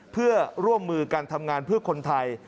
เพื่อร่วมมือกันทำงานเพื่อคนไทย